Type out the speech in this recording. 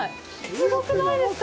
すごくないですか？